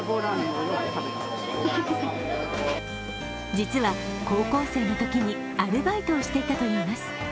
実は、高校生のときにアルバイトをしていたといいます。